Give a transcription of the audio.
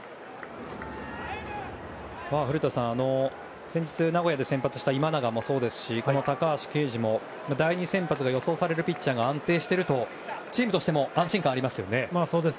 古田さん、先日名古屋で先発した今永もそうですし高橋奎二も、第２先発が予想されるピッチャーが安定しているとチームとしても安心感がありますね。